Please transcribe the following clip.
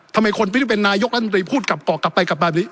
ทำไมคนพิจารณียกรัฐนัยพูดกล่อกลับไปกับบ้านนี้